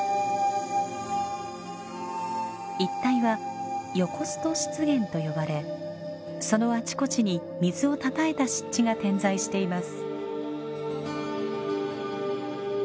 一帯は「ヨコスト湿原」と呼ばれそのあちこちに水をたたえた湿地が点在しています。